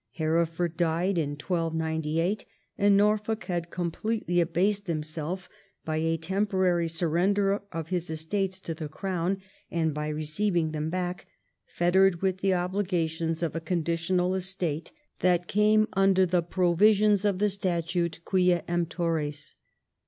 Hereford died in 1298, and Norfolk had completely abased himself by a temporary surrender of his estates to the crown, and by receiving them back, fettered with the obligations of a conditional estate that came under the provisions of the Statute Quia Emptores.